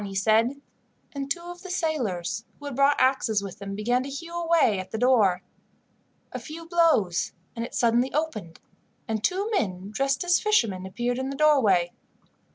he said; and two of the sailors, who had brought axes with them, began to hew away at the door. A few blows, and it suddenly opened, and two men dressed as fishermen appeared in the doorway.